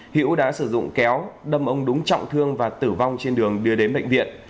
hiễu đã sử dụng kéo đâm ông đúng trọng thương và tử vong trên đường đưa đến bệnh viện